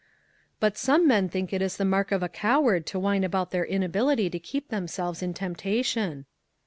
"But some men think it is the mark of a coward to whine about their inability to keep themselves in temptation."